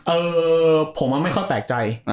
เออผมไม่ค่อยแปลกใจ